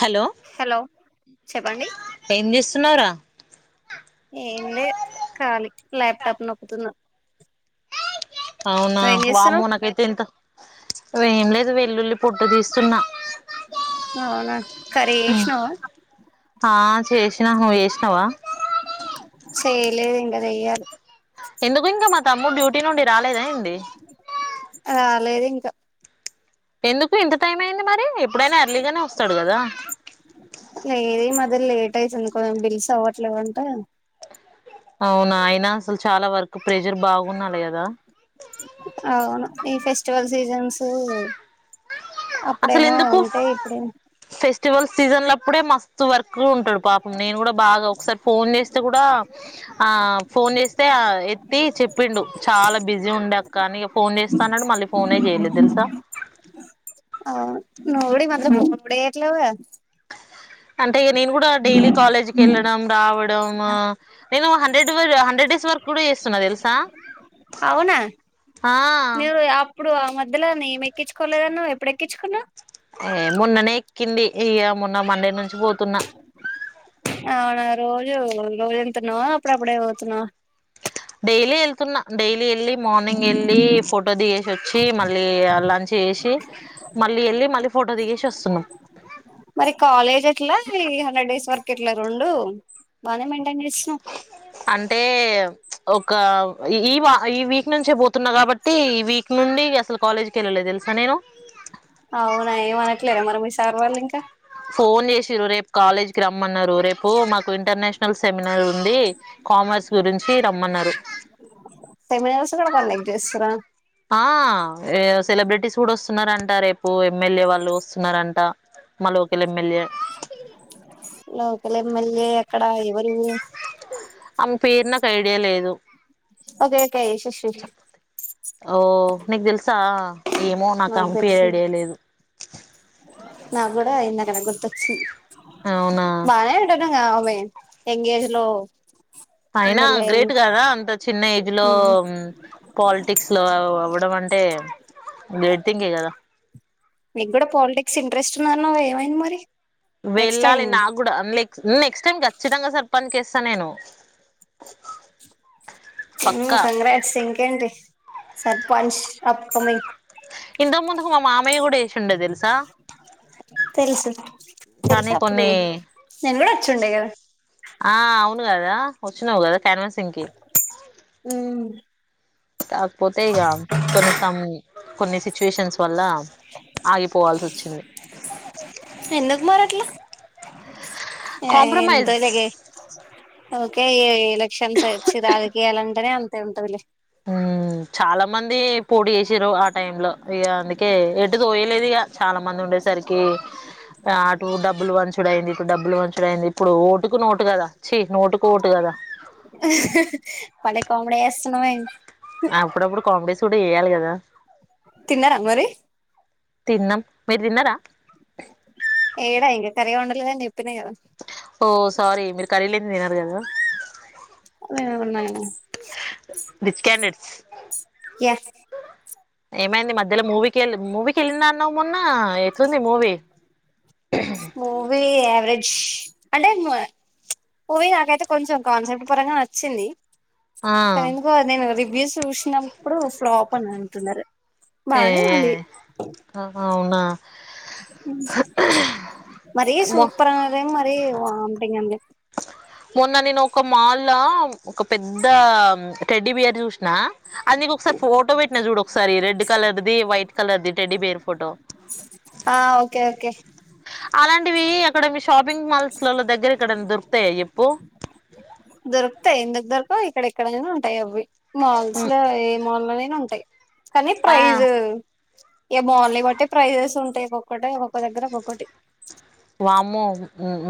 Hello hello చెప్పండి ఏం చేస్తున్నావ్ రా? ఏంలే కాలి ల్యాప్టాప్ నొక్కుతున్నా అవునా నువ్వేం వామ్మో చేస్తున్నావ్ నాకైతే ఎంత ఇగ ఏం లేదు వెల్లుల్లి పొట్టు తీస్తున్నా అవునాకర్రీ చేసినవా ఆ చేసినా నువు చేసినవా చేయలేదింకా చెయ్యాలి. ఎందుకు ఇంకా మా తమ్ము డ్యూటీ నుండి రాలేదాఎంద్ రాలేదింకా ఎందుకు ఇంత టైం అయింది మరి రి ఎప్పుడైనా అర్లీగానే వస్తాడు కదా [unintelligible] ఎందుకో బిల్స్ అవ్వట్లేదంట అవునా ఆయన అసలు చాలా వర్క్ ప్రెజర్ బాగుండాలి కదా అవును. ఈ ఫెస్టివల్ సీజన్స్ అసలు అప్పుడేమో ఎందుకు ఉంటాయి. ఇప్పుడేమో ఫెస్టివల్ సీజన్లప్పుడే మస్తు వర్ కులో ఉంటాడు పాపం నేను కూడా బాగా ఒకసారి ఫోన్ చేస్తే కూడా ఆ ఫోన్ చేస్తే ఆ ఎత్తి చెప్పిండు చాలా బిజీ ఉండే అక్క అని ఫోన్ చేస్తా అన్నాడు మళ్ళీ ఫోనే చేయలేదు తెలుసా అవును నువు కూడ ఈ మధ్య [unintelligible] అంటే నేను కూడా డైలీ కాలేజ్కి వెళ్ళడం రావడం నేను హండ్రెడ్ హండ్రెడ్ డేస్ వర్ కూడా చేస్తున్నా తెలుసా అవునా హా ఇప్పుడు ఆ మధ్యలో నేమ్ఎక్కించుకోలేదన్నవ్ ఎప్పుడేక్కించుకున్నావ్ ఏ మోన్ననే ఎక్కింది. ఇయా మొన్నా మండేనుంచి అవున రోజు రోజు పోతున్నావా అప్పుడప్పుడే పోతున్నావా డైలీ వెళ్తున్నా డైలీ ఎళ్ళి మార్నింగెళ్ళి ఫోటో దిగేసి వచ్చి మళ్ళీ లంచ్ చేసి మళ్ళీ వెళ్ళి మళ్ళీ ఫో ఫోటో దిగేసి వస్తున్నాం. మరి కాలేజ్ ఎట్లా ఈ హండ్రెడ్ డేస్ వర్కు ఎట్లా రెండు బాగానే మెయింట్ అంటే ఒక ఈ వా ఈ వీక్ నుంచే పోతున్నా కాబట్టి ఈ వీక్ నుండి అసలు కాలేజ్కి వెళ్ళలేదు. తెలుసా నేను అవునా ఏమనట్లేరా మరి మీ సార్ వాళ్ళు ఇంకా తిరు రేపు కాలేజ్కి రమ్మన్నారు రేపు మాకు ఇంటర్నేషనల్ సెమినార్ ఉంది కామర్స్ గురించ్ కీ రమ్మన్నారు. సెమినార్స్ కూడా కండక్ట్ చేస్తురా ఆ [unintelligible] సెలబ్రెటీస్ కూడా వస్తున్నారంట రేపు ఎమ్మెల్యే వాళ్ళు వస్తున్నారంట మా local M. L. A M. L. A అక్కడ ఎవరు. ఆమె పేరు నాకైడియా లేదు. ఓకే ఓకే యశస్వి ఓ నీకు తేలుస్ ంతా ఏమో నాకు అంపి ఐడియా లేదు. నాక్కూడా ఇందాకాడ గుర్తొచ్చింది అవునా బానే ఉంటడుంగా ఆమె యంగేజ్ లో అయినా ఎమ్మెల్యే అయింది గ్రేట్ కదా అంత చిన్న ఏజ్లో పాలిటిక్స్ లో అవ్వడం అంట్ అంటే గ్రేట్ థింగే కదా నీక్కూడా పాలిటిక్స్ ఇంట్రెస్ట్ ఉందన్నావ్ ఏమైంది మరి నెక్స్ట్ టైం వెళ్ళాలి నాక్కూడా నెక్ నెక్స్ట్ టైమ్ ఖచ్చితంగా సర్పంచ్ కేస్తా నేను ఉ పక్కా కంగ్రాట్స్ ఇంకేం సర్పంచ్ అప్కమింగ్ ఇంతకు ముందుకు మా మామయ్య కూడా వేసిండే తెలుసా తెలుసు కానీ తెలుసు అప్పుడు కొన్ని నేను కూడా వచ్చిండే కదా ఆ అవును కదా వచ్చినావు కదా కన్వాన్ సింగ్ కి కాకపోతే ఇక కొన్ని సం కొన్ని సిచ్యుయేషన్స్ వల్ల ఆగిపోవాల్సి వచ్చింది ఆ కాంప్రమైజ్ ఎంతకే ఓకే ఎలక్షన్స్ వచ్చి రాజకీయాల అంటేనే అంతే ఉంటదిలే ఉ చాలా మంది పొటి చేసిరు ఆ టైమ్ లో ఇగ అందు అే ఎటు తోయలేదు ఇక చాలా మంది ఉండేసరికి అటు డబ్బులు వంచుడు అయింది ఇప్పుడు డబ్బులు మంచిడ అయింది ఇప్పుడు ఓటుకు నోటు కదా చ్చి నోటు కి ఓటు కదా కమ్ముడే ఎస్తన్నావే అప్పుడప్పుడు కామెడీస్ కూడా ఏయాలి కదా తిన్నార మరి తిన్నాం మీరు తిన్నారా ఏడ ఇంకా కర్రీ వండలేదండి ఓ సారీ మీరు కర్రీ లేనిది తినరు కదా రిచ్ [unintelligible] క్యాండిడేట్స్ యా ఏమైంది మధ్యలో మూవీకి వెళ్ళి మూవీకి వెళ్ళిన అన్నావు మొన్న ఎట్లుంది మూవీ మూవీ ఎవరేజ్ అంటే ము ఇచ్ నాకైతే కొంచెం కాన్సెప్ట్ పరంగా నచ్చింది ఆ తర్ ఎందుకు నేను రివ్యూస్ చూసినప్పుడు ఫ్లాప్ అని అంటున్నారు ఏ బాగా ఉంది అవునా మరి మొ సూపరన్నదే మరి ఉ వొంటింగ్ అండి మొన్న నేను ఒక మాల్ లో ఒక పెద్ద టెడ్డి బియర్ చూసిన అది నీక ఒకసారి ఫోటో పెట్టినా చూడు ఒకసారి రెడ్ కలర్ది వైట్ కలర్ది టెడ్డి బేర్ ఫోటో ఆ ఓకే ఓకే అలాంటివి అక్కడ మీ షాపింగ్ మాల్స్ లలో దగ్గర ఇక్కడ దొరుకుతాయా చెప్పు దొరుకుతాయి ఇందుకు దొరక ఇక్కడ ఎక్కడైనా ఉంటాయి అవి మాల్స్ ఉమ్, లో ఏ మాల్ అది ఉంటాయి కానీ ఆ ప్రైజ్ ఏమో వాళ్లని బట్టే ప్రైజెస్ ఉంటాయి ఒక్కటే ఒకొక్క దగ్గర ఒక్కటి వామ్మో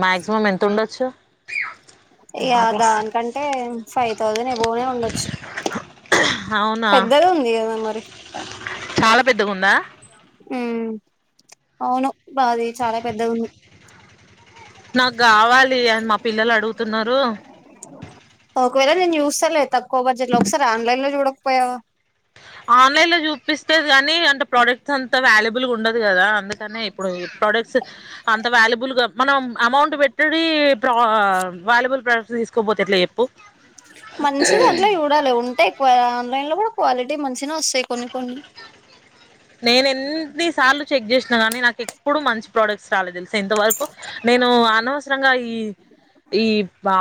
మాక్సిమం ఎంత ఉండొచ్చు దానికంటే ఫైవ్ థౌజండ్ ఎబొవ్నే ఉండొచ్చు అవునా పెద్దది ఉంది కదా మరి చాలా పెద్దగా ఉందా ఉ అవును బాది చాలా పెద్దవుంది నాకు కావాలి అని మా పిల్లలు అడుగుతున్నారు సలే తక్కువ బడ్జెట్ లో ఒకసారి ఆన్లైన్ లో చూడకపోయావా ఆన్లైన్ లో చూపిస్తేది కాగానీ అంటే ప్రొడక్ట్స్ అంత వ్యాల్యుబుల్గా ఉండదు కదా అందుకనే ఇప్పుడు ప్రోడక్ట్స్ అంత వాల్యుబుల్ గా మనం అమౌంట్ పెట్ అటడీ ప్ర వాల్యుబుల్ ప్రొడక్ట్స్ తీసుకోపోతే ఎట్లా చెప్పు మంచి దాంట్లో చూడాలి ఉంటే ఆన్లైన్ లో కూడా క్వాలిటీ మంచి నేను ఎన్ని సాలు చెక్ చేసిన గానీ నాకు ఎప్పుడడు మంచి ప్రోడక్ట్స్ రాలే తెలు ఇంతవరకు నేను అనవసరంగా ఈ ఈ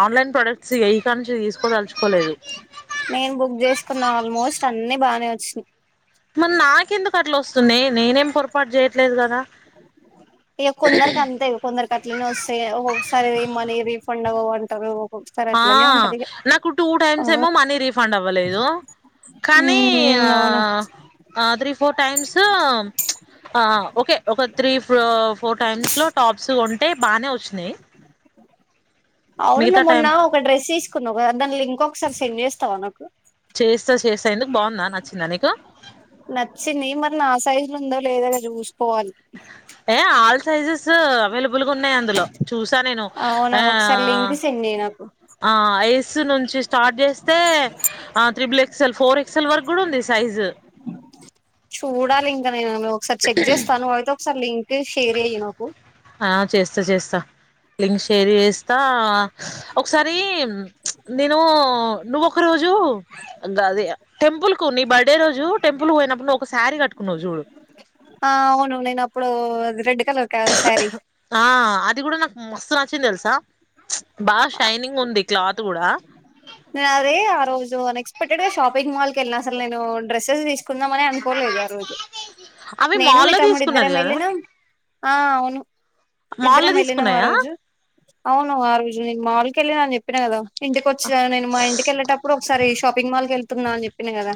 ఆన్లైన్ ప్రొడక్ట్స్ ఎకా నుంచి తీసుకోదలుచుకోలేదు నేను చేసుకున్న ఆల్మోస్ట్ అన్ని సు మరి నాకెందుకు అట్లా వస్తున్నాయి నేనేం పొరపాటు చేయట్లేదు కదా ఇగ కొందరికి అంతే ఇగ కొందరికి అట్లనే వస్తయ్ ఒకొక్కసారి మనీ రిఫండ్ అవవ్ అంటరు ఆ నాకు టూ టైమ్స్ ఏమో ఉమ్ మనీ రీఫండ్ అవ్వలేదు కానీ అవునా ఆ త్రీ ఫోర్ టైమ్స్ ప్చ్ ఆ ఓకే ఒక త్రీ ఫో ఫోర్ టైమ్స్ లో టాప్స్ కొంటే బానే వచ్చినయి అవును లే మొన్న ఒక డ్రెస్ తీసుకున్నవ్ కదా దాని లింక్ ఒకసారి సెండ్ చేస్తావా నాకు చేస ఎందుకు బాగుందా నచ్చిందా నీకు నచ్చింది మరి నా సైజు లో ఉందో లేదో ఇగ చూసుకోవాలి సైజసు అవైలబుల్ గా ఉన్నాయి అందులో చూసా నేను అవునా ఆ ఒకసారి లింక్ సెండ్ చెయ్ నాకు ఆ ఎస్ నుంచి స్టార్ట్ చేస్తే ఆ త్రిబుల్ ఎక్సల్ ఫోర్ ఎక్సల్ వరకు కూడా ఉంది సైజు చూడాలింకనేను ఒకసారి చెక్ చేస్తాను అయితే ఒకసారి లింక్ షేర్ చెయ్యి నాకు స్త చేస్తా లింక్ షేర్ చేస్తా ఒకసారి నేను నేను నువ్వొక రోజు గది టెంపుల్ కు నీ బర్డే రోజు టెంపుల్ పోయినప్పుడు ను ఆ అవును నేను అప్పుడు అది రెడ్ కలర్ శారీ ఆ అది కూడా నాకు మస్తు నచ్చింది తెలుసా బాగా షైనింగ్ ఉంది క్లాత్ కూడా నేను అది ఆ రోజు అనెక్స్ పెక్టెడ్ గా నేను షాపింగ్ మాల్ కి వెళ్లిన అసలు నేను డ్రస్సెస్ తీసుకుందామనే అనుకోలేదు ఆ రోజు అవి నేను మీ మాల్లో తమ్ముడు తీసుకున్నది ఇద్దరం కదా ఎల్లినం ఆ అవును మాల్లో ఇద్దరం వెళ్ళినాం ఆ తీసుకున్నాయా రోజు అవును ఆ రోజు నేను మాల్ కెల్లినా అని చెప్పినా కదా ఇంటికి వచ్చినా నే మా ఇంటికి వెళ్ళటప్పుడు ఒకసారి షాపింగ్ మాల్ కి వెళ్తున్నా అని చెప్పి కద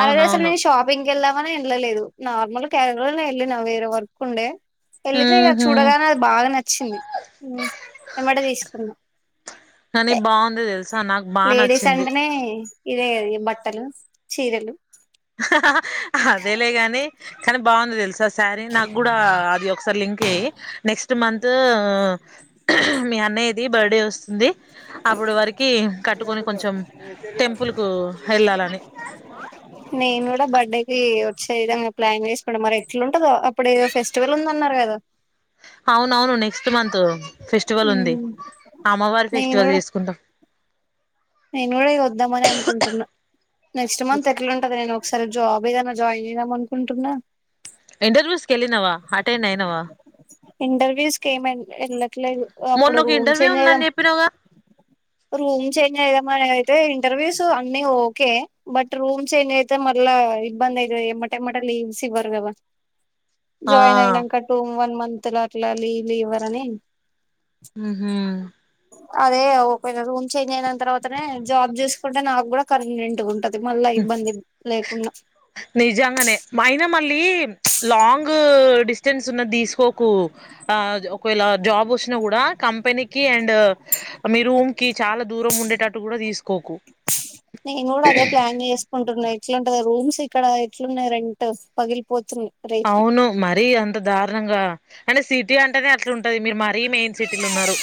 ఆ రోజు అసల్ నేను షాపింగ్ వెల్దామని వెళ్ళలేదు నార్మల్ క్యాసల్ గా వెళ్ళినా వేరే వర్క్ ఉండే వెళ్ళితే ఇగ ఉహు చూడగానే అది బాగా నచ్చింది ఏమ్మటే తీసుకున్నా కానీ ఎ బాగుంది తెలుసా నాకు బాగా లేడీస్ నచ్చింది అంటనే ఇదే గద ఇగ బట్టలు చీరలు అదే లే గాని కానీ బాగుంది తెలుసా సారీ నాకు కూడా అది ఒకసారి లింక్ యెయ్యి నెక్స్ట్ మంత్ మీ అన్నయ్య ది ది బర్త్డే వస్తుంది అప్పుడు వరికి కట్టుకొని కొంచెం టెంపుల్ కు వెళ్ళాలని నేను కూడా బర్త్డే కి వచ్చే విధంగా ప్లాన్ చేసుకుంట మరి ఎట్లుంటదో అప్పుడు ఏదో ఫెస్టివల్ ఉందన్న నరు కదో అవునవును నెక్స్ట్ ట్ మంతు ఫెస్టివల్ ఉంది మ్మ్ అమ్మవారి నేను ఫెస్టివల్ కూడా చేసుకుందాం నేను కూడా ఇగ వద్దామని అనుకుంటున్నా నెక్స్ట్ మంత్ ఎట్లుంటదో నేను ఒకసారి జాబ్ వేదనా జాయిదాం అనుకుంటున్న ఇంటర్వ్యూస్ కేలినవా అటెండ్ ఐనవా ఇంటర్వ్యూస్కి ఏం ఎళ్ళట్లేదు అప్పుడు మొన్న ఒక రూమ్ ఇంటర్వ్యూ చేంజ్ ఐదాం ఉందని చెప్పినవుగా రూమ్ చె ఇగ మరి అయితే ఇంటర్వ్యూస్ అన్ని ఓకే బట్ రూమ్స్ చేంజ్ ఐతే మళ్ళా ఇబ్బంది అయి ఏ ఎమట్టె ఎమటలీవ్స్ ఇవ్వరు కదా జాయిన్ ఆ అయినాక టూ వన్ మంత్ ల అట్లా లీవ్ లు ఇవరని ఉహు అదే ఓకేవేళ రూమ్ చేంజ్ అయిన తర్వాతనే జాబ్ చేసుకుంటే నాకు కూడా కన్వినెంట్ గా ఉంటది మళ్ళా ఇబ్బంది లేకుండా నిజంగానే మైన మళ్ళీ చ్ లాంగ్ డిస్టెన్స్ ఉన్నది తీసుకోకు. ఆ ఒకవేళ జాబ్ వొచ్చిన కూడా కంపెనీకి అండ్ మీ రూమ్ కి చాలా దూ దూరం ఉండేటట్టు కూడా తీసుకోకు ఉంటున్నాయి ఎట్లాంటది రూమ్స్ ఇక్కడ ఎట్లున్నాయి రెంట్ పగిలిపోతు అవును మరి అంత దారుణంగా అయినా సీట్ సిటీ అంటేనే అట్లా ఉంటది మీరు మరీ మెయిన్ సిటీలు ఉన్నారు.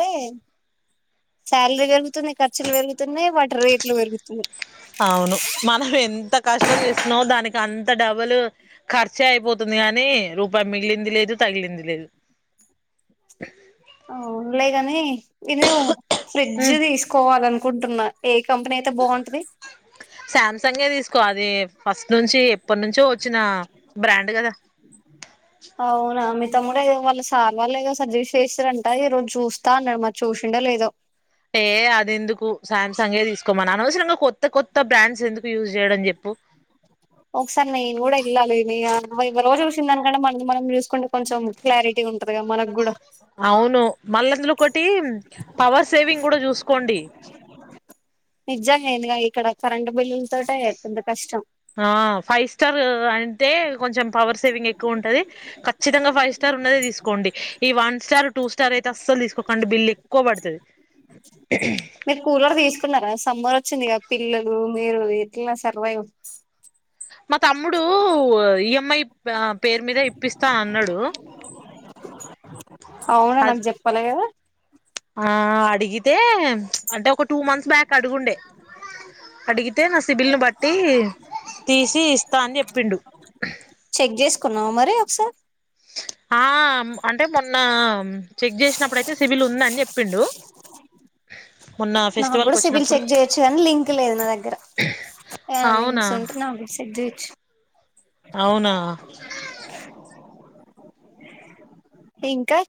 టే శాలరీ పెరుగుతుంది ఖర్చులు పెరుగుతున్నాయి వాట్ అవును మనం ఎంత కష్టం చేస్తున్నో దానికి అంత్ అంత డబులు ఖర్చే అయిపోతుంది గానీ రూపాయి మిగిలింది లేదు తగిలింది లేదు. [inaudible] అవులేగాని ఇదివో ఫ్రిడ్జ్ హ్మ్ తీసుకోవాలనుకుంటున్నా ఎక్ కంపెనీ అయితే బాగుంటది కో అది ఫస్ట్ నుంచి ఎప్పటి నుంచో వచ్చిన బ్రాండ్ గదా. అవునా మీ తమ్ముడో ఏమో వాళ్ళ సార్ వాళ్ళ ఏదో సర్జరీ చేసరంటా, ఈ రోజు చూస్తా అన్నాడు మరి చూసిండే లేదో. ఏ అది ఎందుకు సమ్ సంగే తీసుకోమను అనవసరంగా కొత్త కొత్త బ్రాండ్స్ ఎందుకు యూజ్ చేయడం చెప్పు. [inaudible] ఒకసారి నేను కూడా ఇళ్ళాలి ఇగా ఎవరెవరో చూసిన దానికంటే మన మనం చూసుకుంటే కొంచెం క్లారిటీ ఉంటున్ మనక్ గూడా అవును మళ్ళా అందులో ఒకటి పవర్ సేవింగ్ కూడా చూసుకోండి. నిజంగా నేనుగా ఇక్కడ కరెంట్ బిల్లులతోటే పెద్ద కష్టం. ఆ ఫైవ్ స్టార్ రాయన్ తే కొంచెం పవర్ సేవింగ్ ఎక్కువ ఉంటది, ఖచ్చితంగా ఫైవ్ స్టార్ ఉన్నదే తీసుకోండి. ఈ వన్ స్టార్ టూ స్టార్ అయితే అసలు తీసుకోకండి బిల్ ఎక్కువ పడుతది. మీరు కూలర్ తీసుకున్నారా సమ్మర్ వచ్చిందిగా పిల్లలు రు మీరు ఎట్లా సర్వైవ్ మా తమ్ముడు ఇ యమ్ మ్మాయి ప్య పేరు మీద ఇప్పిస్తా అన్నాడు. అవునా అ నాకు జెప్పాలే ఆ అడిగితే చ్ అంటే ఒక టూ మంత్స్ బ్యాక్ అడుగుండే. అడిగితే నస్ తి బిల్ను బట్టి తీసి ఇస్తా అని చెప్పిండు. కున్నా మరి ఒక్క సార్ ఆ మ్ అంటే మొన్న చెక్ చేసినప్పుడుయితే సిబిల్ ఉందని చెప్పిండు. మొన్న నాకు ఫెస్టివల్ కి కూడా సిబిల్ వచ్చినప్పుడు చెక్ చేయొచ్చు కానీ లింక్ లేదు నా దగ్గర. యా అవునా లింక్స్ ఉంటే నా కూడా సెండ్ చేయచ్చు. అవునా ఇంకా